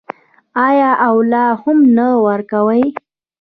آیا او لا هم نه ورکوي؟